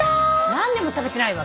何年も食べてないわ。